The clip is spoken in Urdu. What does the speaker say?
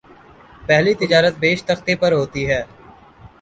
پہلی تجارت بیشتختے پر ہوتی ہے